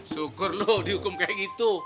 syukur loh dihukum kayak gitu